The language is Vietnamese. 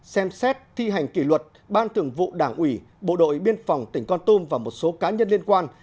ba xem xét thi hành kỷ luật ban thường vụ đảng ủy bộ đội biên phòng tỉnh con tum và một số cá nhân liên quan